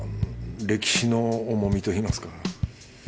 歴史の重みといいますか。